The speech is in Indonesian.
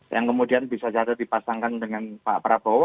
yang kemudian bisa jadi dipasangkan dengan pak prabowo